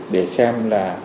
để xem là